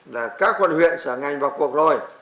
các quận huyện sở ngành vào cuộc rồi